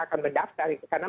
karena mereka masih mencari